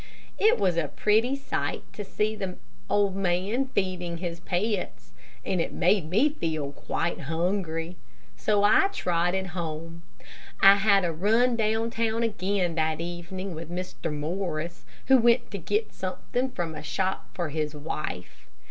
It was a pretty sight to see the old man feeding his pets, and it made me feel quite hungry, so I trotted home. I had a run down town again that evening with Mr. Morris, who went to get something from a shop for his wife.